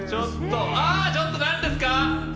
ちょっと、何ですか！